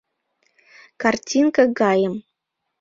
Картинка гайым.